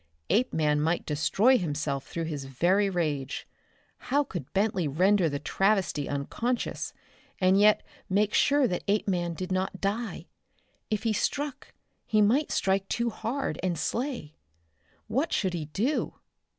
Apeman might destroy himself through his very rage. How could Bentley render the travesty unconscious and yet make sure that Apeman did not die? If he struck he might strike too hard and slay. What should he do?